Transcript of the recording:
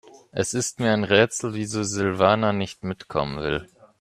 Es ist mir ein Rätsel, wieso Silvana nicht mitkommen will.